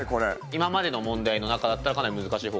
今までの問題の中だったらかなり難しい方。